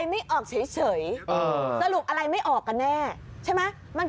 เห็นหรือเป็นผู้รอบรรยาเมืองดีเขาบอก